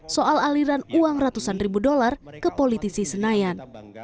soal aliran uang ratusan ribu dolar ke politisi senayan